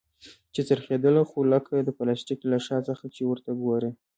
چې څرخېدله خو لکه د پلاستيک له شا څخه چې ورته وگورې.